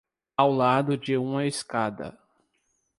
Ao lado de uma escada